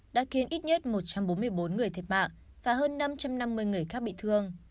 đã khiến ít nhất một trăm bốn mươi bốn người thiệt mạng và hơn năm trăm năm mươi người khác bị thương